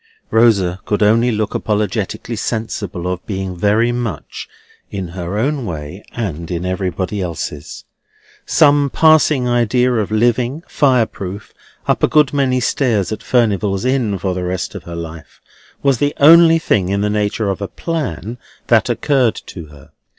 Rosa could only look apologetically sensible of being very much in her own way and in everybody else's. Some passing idea of living, fireproof, up a good many stairs in Furnival's Inn for the rest of her life, was the only thing in the nature of a plan that occurred to her.